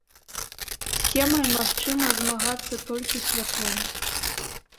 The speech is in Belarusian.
З цемрай магчыма змагацца толькі святлом.